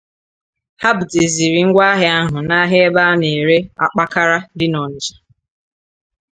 Ha butezịrị ngwaahịa ahụ n'ahịa ebe a na-ere akpakara dị n'Ọnịtsha